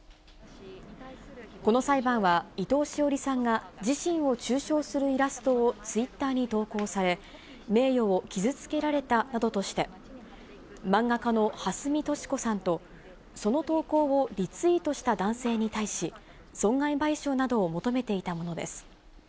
この裁判は、伊藤詩織さんが自身を中傷するイラストをツイッターに投稿され、名誉を傷つけられたなどとして、漫画家のはすみとしこさんと、その投稿をリツイートした男性に対し、損害賠償などを求めていたものです。